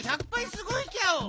すごいギャオ！